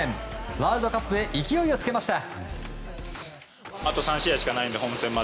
ワールドカップへ勢いをつけました。